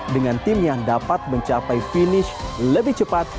dengan tim yang dapat mencapai finish lebih cepat